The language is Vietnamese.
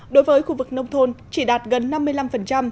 đối với khu vực nông thôn chỉ đạt gần năm mươi năm